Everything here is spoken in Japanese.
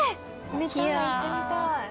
「見たい行ってみたい」